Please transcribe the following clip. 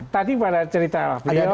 tadi pada cerita beliau